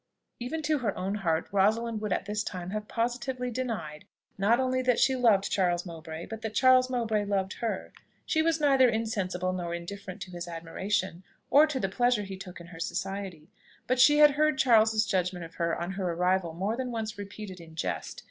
Even to her own heart Rosalind would at this time have positively denied, not only that she loved Charles Mowbray, but that Charles Mowbray loved her. She was neither insensible nor indifferent to his admiration, or to the pleasure he took in her society; but she had heard Charles's judgment of her on her arrival more than once repeated in jest.